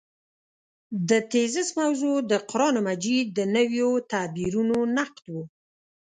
د تېزس موضوع د قران مجید د نویو تعبیرونو نقد و.